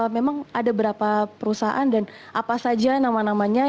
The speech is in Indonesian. memang ada berapa perusahaan dan apa saja nama namanya